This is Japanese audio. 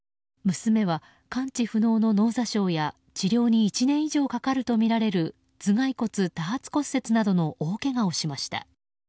娘は完治不能の脳挫傷や治療に１年以上かかるとみられる頭蓋骨多発骨折などの大けがをしました。